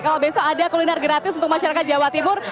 kalau besok ada kuliner gratis untuk masyarakat jawa timur